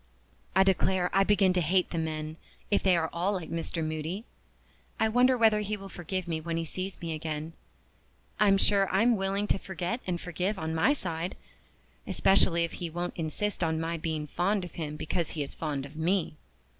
I declare I begin to hate the men, if they are all like Mr. Moody. I wonder whether he will forgive me when he sees me again? I'm sure I'm willing to forget and forgive on my side especially if he won't insist on my being fond of him because he is fond of me.